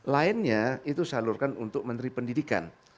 lainnya itu salurkan untuk menteri pendidikan